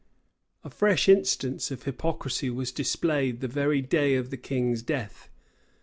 A fresh instance of hypocrisy was displayed the very day of the king's death.